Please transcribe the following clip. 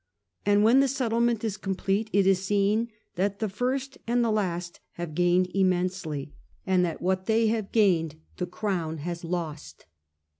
And when the settlement is complete, it is seen that the first and the last have gained immensely, and that what they have gained the Crown has lost.